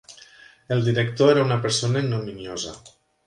El director era una persona ignominiosa.